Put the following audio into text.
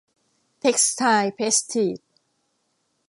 เท็กซ์ไทล์เพรสทีจ